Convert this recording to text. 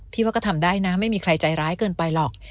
ว่าก็ทำได้นะไม่มีใครใจร้ายเกินไปหรอก